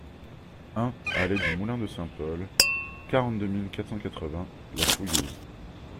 un allée du Moulin de Saint-Paul, quarante-deux mille quatre cent quatre-vingts La Fouillouse